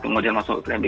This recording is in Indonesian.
kemudian masuk rambi